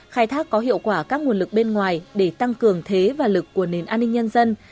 khai thác có hiệu quả các nguồn lực bên ngoài để tăng cường thế và lực của nền an ninh nhân dân